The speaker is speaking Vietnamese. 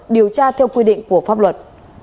điều tra theo quy định của pháp luật